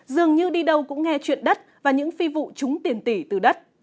dường như đi đâu cũng nghe chuyện đất và những phi vụ trúng tiền tỷ từ đất